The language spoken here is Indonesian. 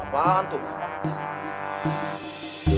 nah ketemu lagi